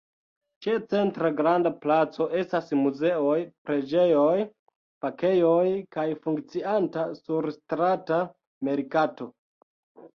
Ĉe centra granda placo estas muzeoj, preĝejoj, kafejoj kaj funkcianta surstrata merkato.